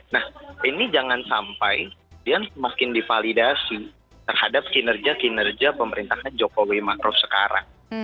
nah ini jangan sampai semakin divalidasi terhadap kinerja kinerja pemerintahan jokowi ma'ruf sekarang